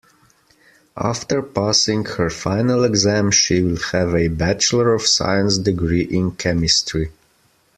After passing her final exam she will have a bachelor of science degree in chemistry.